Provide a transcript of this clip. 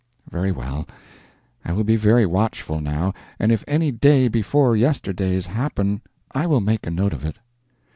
Very well; I will be very watchful now, and if any day before yesterdays happen I will make a note of it.